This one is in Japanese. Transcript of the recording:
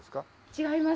違います。